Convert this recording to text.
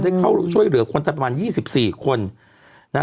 ได้เข้าช่วยเหลือคนถึงประมาณยี่สิบสี่คนนะ